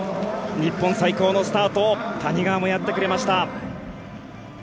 日本最高のスタートを谷川もやってくれました。